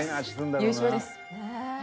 優勝です。